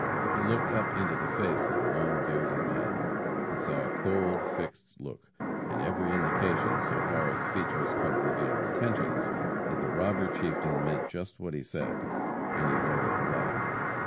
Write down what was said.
He looked up into the face of the long bearded man. He saw a cold, fixed look, and every indication, so far as features could reveal intentions, that the robber chieftain meant just what he said, and he lowered the light.